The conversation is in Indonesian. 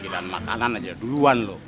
bilang makanan aja duluan lo